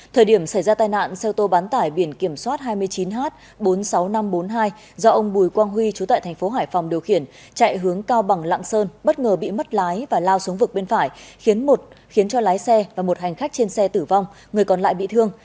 thời điểm xảy ra tai nạn xe ô tô bán tải biển kiểm soát hai mươi chín h bốn mươi sáu nghìn năm trăm bốn mươi hai do ông bùi quang huy chú tại thành phố hải phòng điều khiển chạy hướng cao bằng lạng sơn bất ngờ bị mất lái và lao xuống vực bên phải khiến một khiến cho lái xe và một hành khách trên xe tử vong người còn lại bị thương